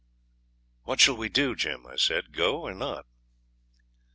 'What shall we do, Jim?' I said; 'go or not?'